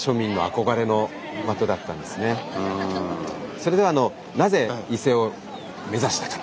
それでは「なぜ伊勢を目指したか」。